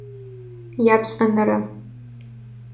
Япшӏэнэрэ.